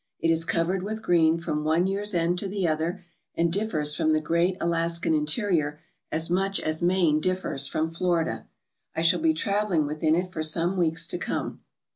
It is covered with green from one year's end to the other and differs from the great Alaskan interior as much as Maine differs from Florida. I shall be travelling within it for some weeks to come.